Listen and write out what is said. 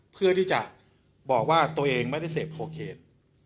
เพื่อที่จะบอกว่าตัวเองไม่ได้เสพโคเคน